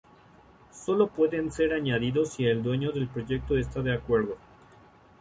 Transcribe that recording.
Solo pueden ser añadidos si el dueño del proyecto está de acuerdo.